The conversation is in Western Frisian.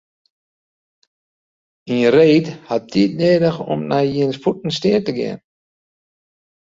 In reed hat tiid nedich om nei jins fuotten stean te gean.